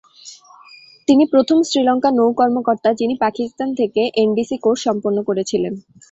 তিনি প্রথম শ্রীলঙ্কা নৌ কর্মকর্তা যিনি পাকিস্তান থেকে এনডিসি কোর্স সম্পন্ন করেছিলেন।